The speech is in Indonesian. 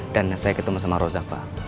saya ketemu sama rozak pak